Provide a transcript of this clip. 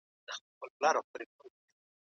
د ماشومتوب وختونه ډېر خوږ وو.